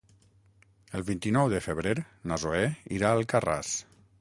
El vint-i-nou de febrer na Zoè irà a Alcarràs.